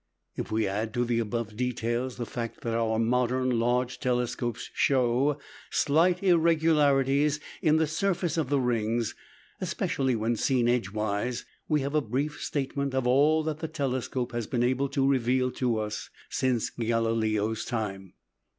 If we add to the above details the fact that our modern large telescopes show slight irregularities in the surface of the rings, especially when seen edgewise, we have a brief statement of all that the telescope has been able to reveal to us since Galileo's time.